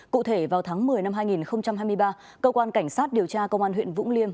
cụ thể vào tháng một mươi năm hai nghìn hai mươi ba cơ quan cảnh sát điều tra công an huyện vũng liêm